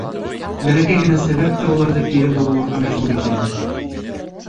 Бәләкәй генә сәбәп тә уларҙы кире боролорға мәжбүр итер ине.